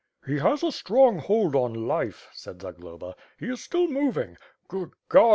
"He has a strong hold on life," said Zagloba, he is still moving. Good God!